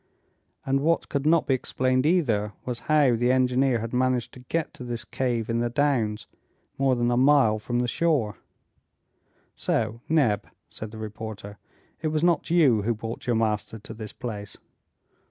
And what could not be explained either was how the engineer had managed to get to this cave in the downs, more than a mile from the shore. "So, Neb," said the reporter, "it was not you who brought your master to this place."